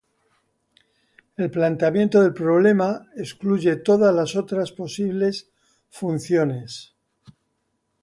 El planteamiento del problema excluye todas las otras posibles funciones.